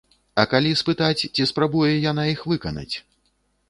А калі спытаць, ці спрабуе яна іх выканаць?